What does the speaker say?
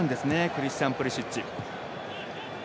クリスチャン・プリシッチ。